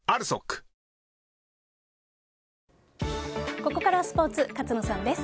ここからはスポーツ勝野さんです。